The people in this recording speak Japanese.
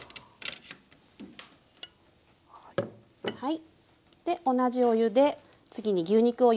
はい。